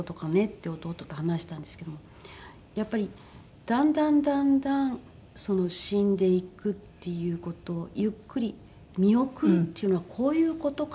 って弟と話したんですけどもやっぱりだんだんだんだん死んでいくっていう事をゆっくり見送るっていうのはこういう事かなと思って。